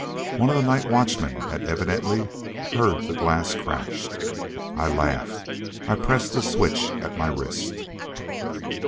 One of the night watchmen had evidently heard the glass crashed. I laughed. I pressed the switch at my wrist....